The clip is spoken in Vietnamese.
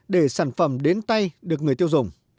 để sản phẩm đến tay được người tiêu dùng